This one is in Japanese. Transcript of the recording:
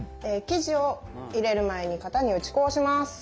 生地を入れる前に型に打ち粉をします。